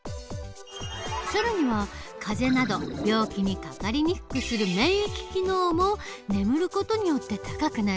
更には風邪など病気にかかりにくくする免疫機能も眠る事によって高くなる。